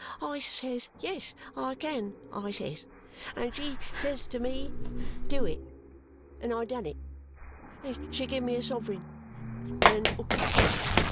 I ses 'yes I can' I ses. And she ses to me 'do it' and I dun it and she giv me a sov'ring and hooked it.